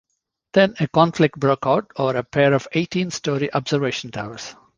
Then a conflict broke out over a pair of eighteen story observation towers.